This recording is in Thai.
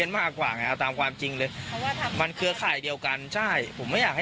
ไอ้เรื่องนั้นอ่ะอันนั้นผมไม่ได้อยู่ในเหตุการณ์